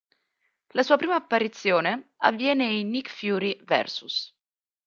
La sua prima apparizione avviene in "Nick Fury vs.